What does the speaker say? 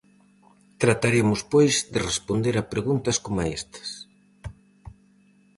Trataremos pois de responder a preguntas coma estas: